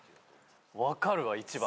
分かるわ１番。